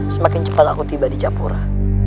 semakin cepat aku tiba di japura